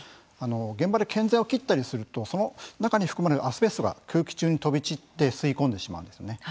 現場で建材を切ったりするとその中に含まれるアスベストが空気中に飛び散って吸い込んでしまうんですよね。